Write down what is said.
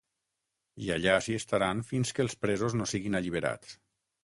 I allà s’hi estaran fins que els presos no siguin alliberats.